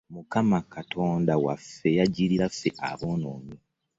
Mukama Katonda waffe yajjirira ffe aboonoonyi.